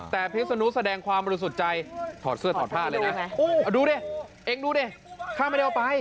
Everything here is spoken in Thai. แต่พี่สนุกแสดงความรู้สุดใจถอดเสื้อถอดผ้าเลยนะดูดิเอ็งดูดิข้าไม่ได้เอาไป